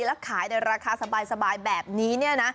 และขายในราคาสบายแบบนี้